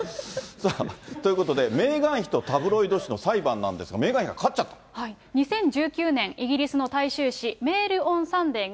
さあ、ということで、メーガン妃とタブロイド紙の裁判なんですが、２０１９年、イギリスの大衆紙、メール・オン・サンデーが、